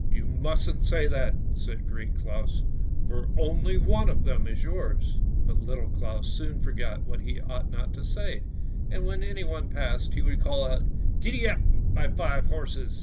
" You mustn't say that," said Great Claus, " for only one of them is yours." But Little Claus soon forgot what he ought not to say, and when anyone passed, he would call out, " Gee up, my five horses."